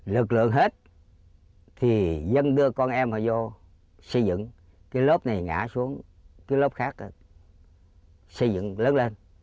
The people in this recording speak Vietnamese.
lực lượng hết thì dân đưa con em họ vô xây dựng cái lớp này ngã xuống cái lớp khác xây dựng lớn lên